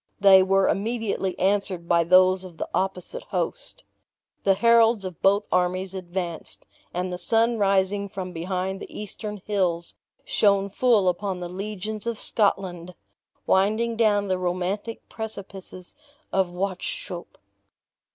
They were immediately answered by those of the opposite host. The heralds of both armies advanced, and the sun rising from behind the eastern hills, shone full upon the legions of Scotland, winding down the romantic precipices of Wauchope.